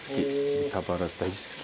豚バラ大好き。